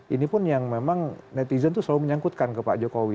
ini pun yang memang netizen itu selalu menyangkutkan ke pak jokowi